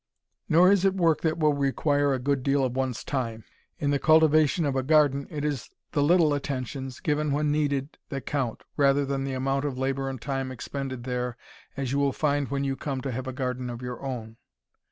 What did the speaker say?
Nor is it work that will require a good deal of one's time. In the cultivation of a garden it is the little attentions, given when needed, that count, rather than the amount of labor and time expended there, as you will find when you come to have a garden of your own.